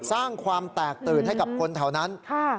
สร้างความแตกตื่นให้กับคนแถวนั้น